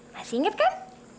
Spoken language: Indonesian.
masih inget kan